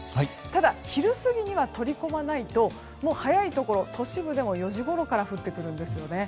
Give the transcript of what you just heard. ただ、昼過ぎには取り込まないともう早いところ都市部でも４時ごろから降ってくるんですよね。